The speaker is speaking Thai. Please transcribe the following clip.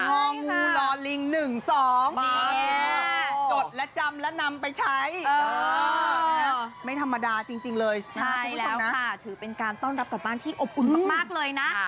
องูลอลิง๑๒นี่จดและจำแล้วนำไปใช้ไม่ธรรมดาจริงเลยใช่แล้วนะถือเป็นการต้อนรับกลับบ้านที่อบอุ่นมากเลยนะ